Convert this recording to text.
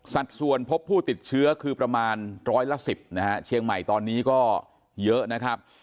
สัดส่วนพบผู้ติดเชื้อคือประมาณร้อยละ๑๐นะฮะเชียงใหม่ตอนนี้ก็เยอะนะครับ